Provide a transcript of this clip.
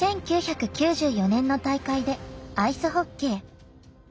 １９９４年の大会でアイスホッケー。